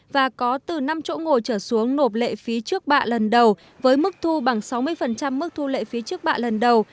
và có từ năm chỗ ngồi trở xuống nộp lệ phí trước bạ lần đầu với mức thu bằng sáu mươi mức thu lệ phí trước bạ lần đầu